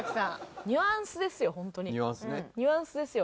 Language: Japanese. ニュアンスですよ？